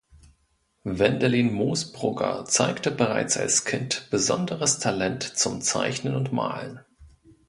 Wendelin Moosbrugger zeigte bereits als Kind besonderes Talent zum Zeichnen und Malen.